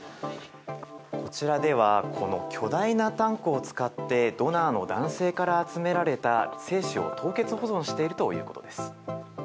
こちらではこの巨大なタンクを使ってドナーの男性から集められた精子を凍結保存しているということです。